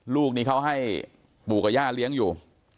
ลูกนี้เขาให้ปู่กับย่าเลี้ยงอยู่